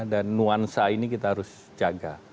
dan nuansa ini kita harus jaga